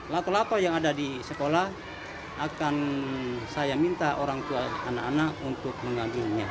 lato lato yang ada di sekolah akan saya minta orang tua anak anak untuk mengambilnya